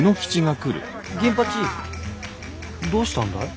銀八どうしたんだい？